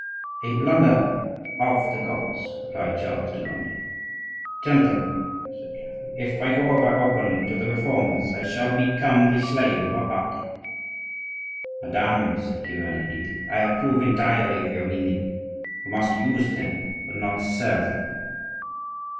"A blunder of the gods," replied Charles de Gondi. "Gentlemen," said Catherine, "if I go over openly to the Reformers I shall become the slave of a party." "Madame," said Chiverni, eagerly, "I approve entirely of your meaning. You must use them, but not serve them."